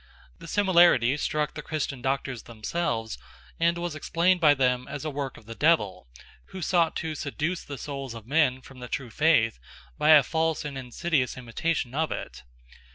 The similarity struck the Christian doctors themselves and was explained by them as a work of the devil, who sought to seduce the souls of men from the true faith by a false and insidious imitation of it.